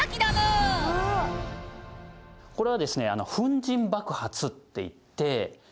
これはですね粉塵爆発っていって。